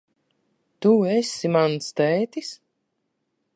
Tu esi mans tētis?